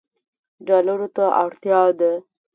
ډالرو ته اړتیا ده